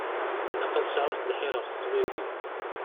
Ilaq ad sɛunt lḥir ɣef teqbaylit.